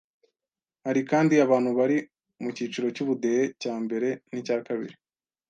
Hari kandi abantu bari mu cyiciro cy’ubudehe cya mbere n’icya kabiri